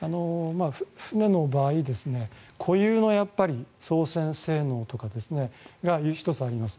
船の場合固有の操船性能というのが１つあります。